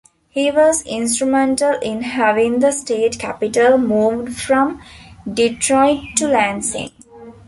He was instrumental in having the state capitol moved from Detroit to Lansing.